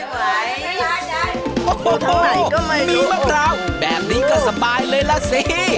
โอ้โหมีมะพร้าวแบบนี้ก็สบายเลยล่ะสิ